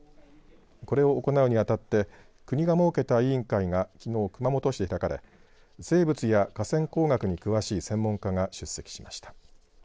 これを行うに当たって国が設けた委員会がきのう熊本市で開かれ生物や河川工学に詳しい専門家が出席しました。